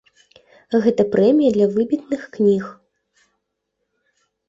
Гэта прэмія для выбітных кніг.